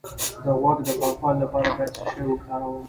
د غوږ د پاکوالي لپاره باید څه شی وکاروم؟